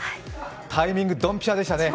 タイミング、ドンピシャでしたね。